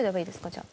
じゃあ。